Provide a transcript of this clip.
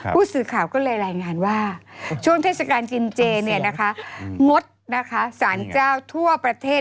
ผู้สื่อข่าวก็เลยรายงานว่าช่วงเทศกาลกินเจงดนะคะสารเจ้าทั่วประเทศ